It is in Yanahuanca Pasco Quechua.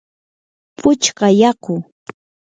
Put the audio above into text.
puchka yaku.